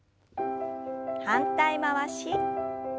反対回し。